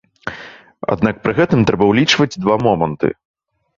Аднак пры гэтым трэба ўлічваць два моманты.